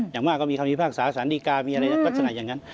อย่างมากก็มีความมีภาคศาสตร์สถานีการณ์มีอะไรแบบนั้น